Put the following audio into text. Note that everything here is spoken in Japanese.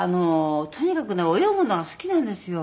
とにかくね泳ぐのが好きなんですよ。